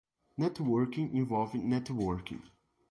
Networking envolve networking.